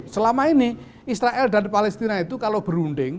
selama ini israel dan palestina itu kalau berunding